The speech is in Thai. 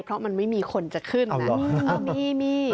เพราะมันไม่มีคนจะขึ้นนะ